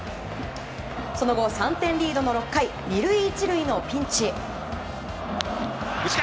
その後３点リードの６回２塁１塁のピンチ。